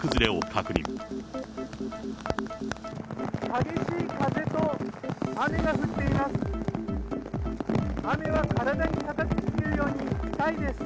激しい風と雨が降っています。